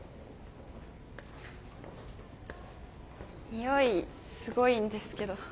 においすごいんですけど。